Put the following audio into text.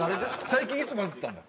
最近いつバズったの？